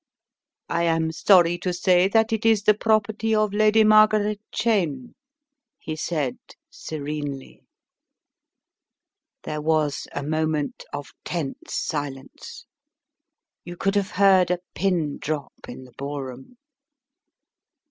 "I am sorry to say that it is the property of Lady Margaret Cheyne," he said, serenely. £26 The Riddle of the Purple Emperor There was a moment of tense silence. You could have heard a pin drop in the ballroom.